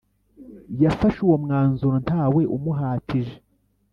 yafashe uwo mwanzuro ntawe umuhatije